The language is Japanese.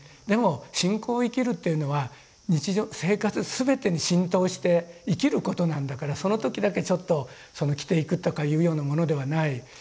でも信仰を生きるっていうのは日常生活全てに浸透して生きることなんだからその時だけちょっと着ていくとかいうようなものではない。